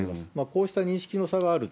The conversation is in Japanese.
こうした認識の差がある。